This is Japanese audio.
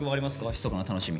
ひそかな楽しみ。